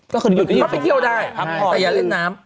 ก็คือหยุดสงกาลได้แต่อย่าเล่นน้ำ